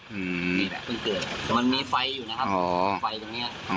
มีแบบเพิ่งเกิดมันมีไฟอยู่นะครับ